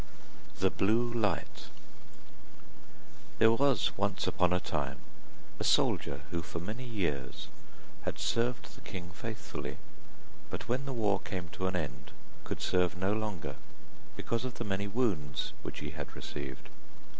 THE BLUE LIGHT There was once upon a time a soldier who for many years had served the king faithfully, but when the war came to an end could serve no longer because of the many wounds which he had received.